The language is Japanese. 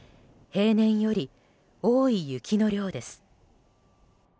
平年より多い雪の量です。